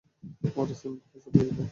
ওরা সিম্বাকে পুঁতে ফেলবে।